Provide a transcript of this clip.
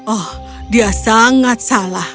oh dia sangat salah